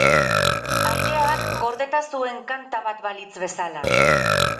Aireak gordeta zuen kanta bat balitz bezala.